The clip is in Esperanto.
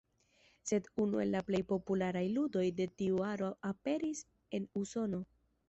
Sed unu el la plej popularaj ludoj de tiu aro aperis en Usono.